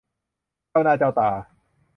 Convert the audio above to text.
เจ้าหน้าเจ้าตา